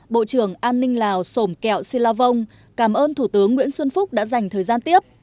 bộ trưởng an ninh lào sổm kẹo si la vong cảm ơn thủ tướng nguyễn xuân phúc đã dành thời gian tiếp